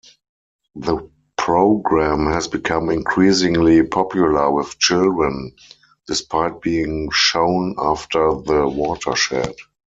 The programme has become increasingly popular with children, despite being shown after the watershed.